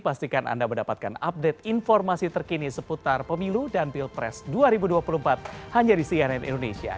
pastikan anda mendapatkan update informasi terkini seputar pemilu dan pilpres dua ribu dua puluh empat hanya di cnn indonesia